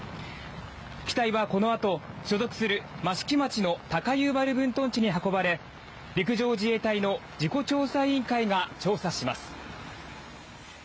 機体はこのあと所属する益城町の高遊原分屯地に運ばれ陸上自衛隊の事故調査委員会が調査します。